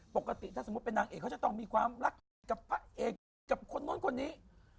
ปกติถ้าสมมติว่าเป็นนางเอกต้องมีความรักของพระเอกคนน้อนคนนี้